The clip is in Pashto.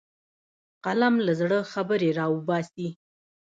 قلم له زړه خبرې راوباسي